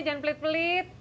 jangan pelit pelit